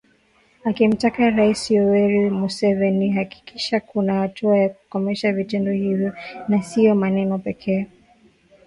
Akimtaka Rais Yoweri Museveni kuhakikisha kuna hatua za kukomesha vitendo hivyo na sio maneno pekee.